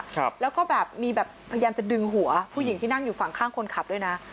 ครับแล้วก็แบบมีแบบพยายามจะดึงหัวผู้หญิงที่นั่งอยู่ฝั่งข้างคนขับด้วยนะ